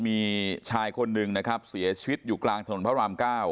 มีชายคนหนึ่งนะครับเสียชีวิตอยู่กลางถนนพระรามเก้า